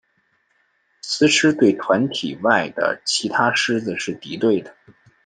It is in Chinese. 雌狮对团体外的其他狮子是敌对的。